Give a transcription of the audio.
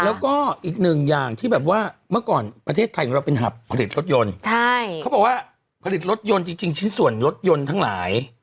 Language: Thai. แล้วก็อีกหนึ่งอย่างที่แบบว่าเมื่อก่อนประเทศไทยของเราเป็นหับผลิตรถยนต์ใช่เขาบอกว่าผลิตรถยนต์จริงชิ้นส่วนรถยนต์ทั้งหลาย